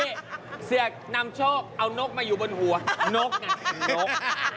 นี่เสือกนำโชคเอานกมาอยู่บนหัวนกไงนก